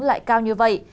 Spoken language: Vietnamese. lại cao như vậy